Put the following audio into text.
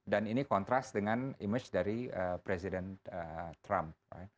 dan ini kontras dengan imej dari presiden trump